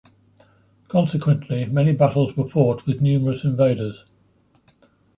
Consequently, many battles were fought with numerous invaders.